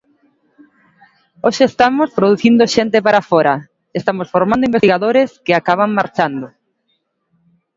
Hoxe estamos producindo xente para fóra, estamos formando investigadores que acaban marchando.